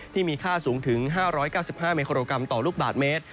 ที่มีค่าสูงถึง๕๙๕มิโครกรัมต่อลูกบาทเมตร